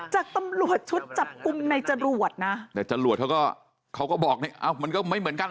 จากตำรวจชุดจับกลุ่มในจรวดนะแต่จรวดเขาก็เขาก็บอกมันก็ไม่เหมือนกัน